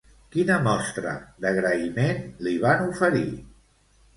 Quina mostra d'agraïment li van oferir?